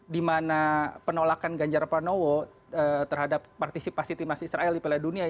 dimana penolakan ganjar panowo terhadap partisipasi timas israel di piala dunia